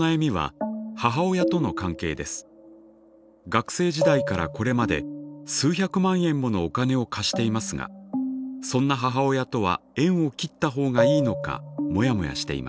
学生時代からこれまで数百万円ものお金を貸していますがそんな母親とは縁を切ったほうがいいのかモヤモヤしています。